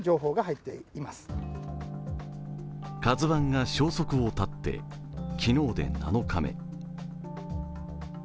「ＫＡＺＵⅠ」が消息を絶って昨日で７日目。